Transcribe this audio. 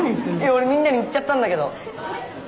俺みんなに言っちゃったんだけど。